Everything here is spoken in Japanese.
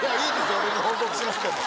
俺に報告しなくても。